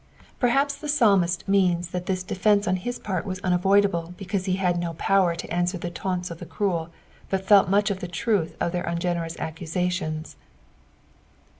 Perhapo Ihe {iralmut means that this dcaftieaa on hia part whs unaroiduble because he had nu power to answer the taunts of the cruel, but felt much of the truth of their ungeDenxu accusations.